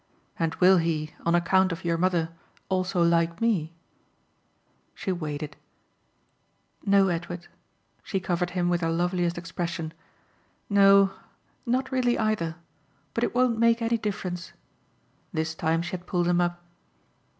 "And will he on account of your mother also like ME?" She weighed it. "No, Edward." She covered him with her loveliest expression. "No, not really either. But it won't make any difference." This time she had pulled him up.